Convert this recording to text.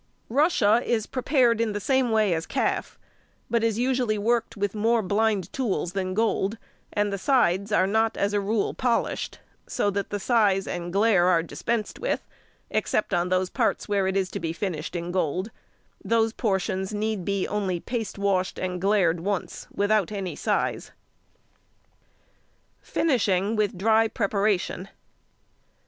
Russia is prepared in the same way as calf, but is usually worked with more blind tools than gold, and the sides are not as a rule polished, so that the size and glaire are dispensed with, except on those parts where it is to be finished in gold; those portions need be only paste washed and glaired once, without any size. _Finishing with Dry Preparation.